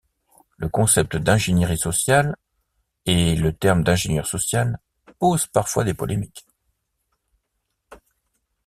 Le concept d’ingénierie sociale et le terme d'ingénieur social posent parfois des polémiques.